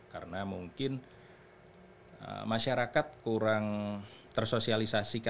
karena mungkin masyarakat kurang tersosialisasi